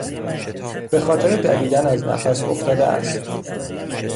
به خاطر دویدن از نفس افتاده است.